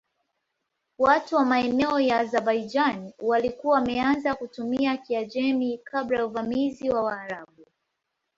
Watu wa maeneo ya Azerbaijan walikuwa wameanza kutumia Kiajemi kabla ya uvamizi wa Waarabu.